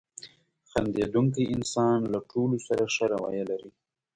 • خندېدونکی انسان له ټولو سره ښه رویه لري.